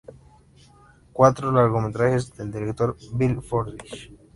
Cuarto largometraje del director Bill Forsyth.